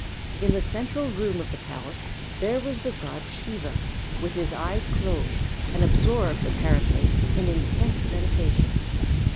In the central room of the palace there was the god Siva, with his eyes closed, and absorbed apparently in intense meditation.